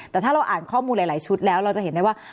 แต่ถ้าเราอ่านข้อมูลหลายชุดแล้วเราจะเห็นได้ว่า